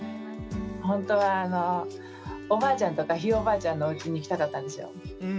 本当はおばあちゃんとかひいおばあちゃんのおうちに行きたかったんですよ。